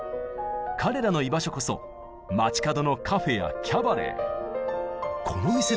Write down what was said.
彼らの居場所こそ街角のカフェやキャバレー。